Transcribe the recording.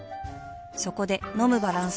そこで飲むバランス栄養食